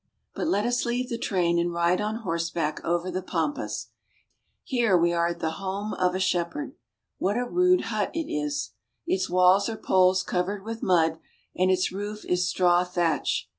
But let us leave the train and ride on horseback over the pampas. Here we are at the home of a shepherd. What a rude hut it is! Its walls are poles covered with mud, and its roof is straw thatch.